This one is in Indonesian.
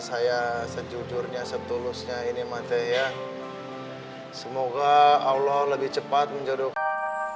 saya sejujurnya setulusnya ini mati ya semoga allah lebih cepat menjodohkan